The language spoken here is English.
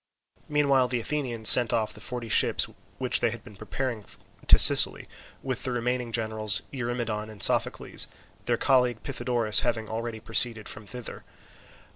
Meanwhile the Athenians sent off the forty ships which they had been preparing to Sicily, with the remaining generals Eurymedon and Sophocles; their colleague Pythodorus having already preceded them thither.